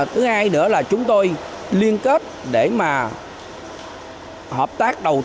thứ hai nữa là chúng tôi liên kết để mà hợp tác đầu tư cùng địa phương